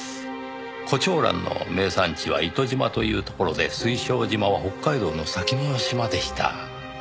胡蝶蘭の名産地は糸島という所で水晶島は北海道の先の島でした。